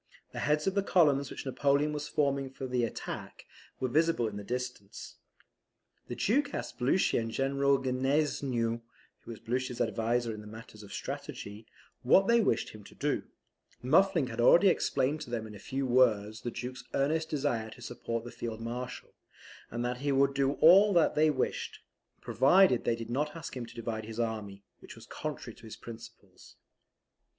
The heads of the columns which Napoleon was forming for the attack, were visible in the distance. The Duke asked Blucher and General Gneisenau (who was Blucher's adviser in matters of strategy) what they wished him to do, Muffling had already explained to them in a few words the Duke's earnest desire to support the Field Marshal, and that he would do all that they wished, provided they did not ask him to divide his army, which was contrary to his principles.